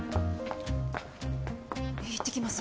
いってきます。